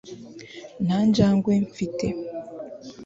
nta njangwe mfite